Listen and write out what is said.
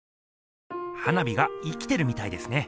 花火が生きてるみたいですね。